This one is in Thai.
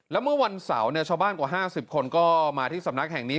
แล้วเมื่อวันเสาร์ชาวบ้านกว่า๕๐คนก็มาที่สำนักแห่งนี้